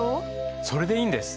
それでいいんです。